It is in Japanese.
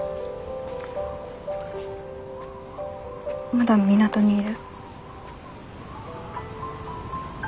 まだ港にいる？